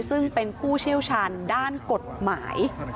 ซึ่งเป็นผู้เชี่ยวชาญด้านกฎหมาย